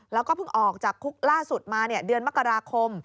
แล้วก็เพิ่งออกจากคุกล่าสุดมาเดือนมกราคม